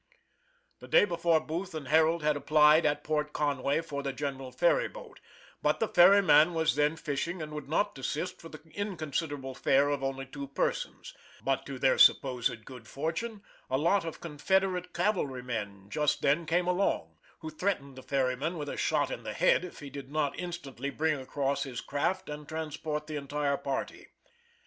The day before Booth and Harold had applied at Port Conway for the general ferry boat, but the ferryman was then fishing and would not desist for the inconsiderable fare of only two persons, but to their supposed good fortune a lot of confederate cavalrymen just then came along, who threatened the ferryman with a shot in the head if he did not instantly bring across his craft and transport the entire party.